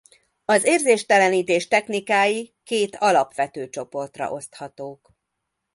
Az érzéstelenítés technikái két alapvető csoportra oszthatók.